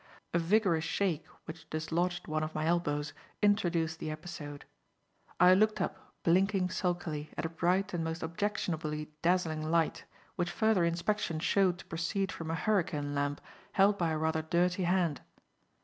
A vigorous shake, which dislodged one of my elbows, introduced the episode. I looked up, blinking sulkily, at a bright and most objectionably dazzling light, which further inspection showed to proceed from a hurricane lamp held by a rather dirty hand.